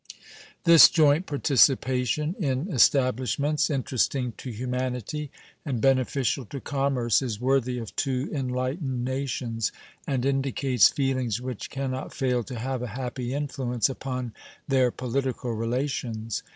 This joint participation in establishments interesting to humanity and beneficial to commerce is worthy of two enlightened nations, and indicates feelings which can not fail to have a happy influence upon their political relations.